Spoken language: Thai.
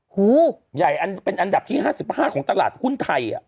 ใหญ่อันเป็นอันดับที่๕๕ของตลาดหุ้นไทย